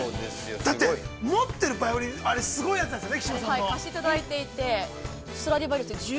だって、持ってるバイオリン、すごいやつなんですよね。